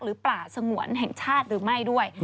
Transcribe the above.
ป่าสงวนแห่งชาติหรือไม่ด้วย